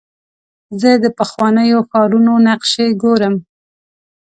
زه د پخوانیو ښارونو نقشې ګورم.